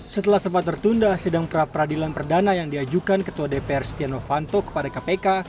setelah sempat tertunda sidang pra peradilan perdana yang diajukan ketua dpr setia novanto kepada kpk